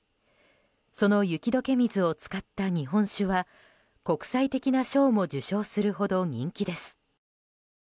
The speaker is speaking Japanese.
その雪解け水を使った日本酒は国際的な賞も受賞するほど人気です。